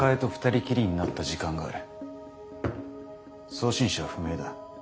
送信者は不明だ。